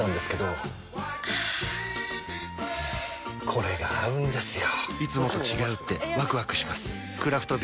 これが合うんですよ！